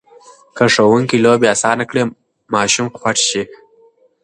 که ښوونکي لوبې اسانه کړي، ماشوم خوښ شي.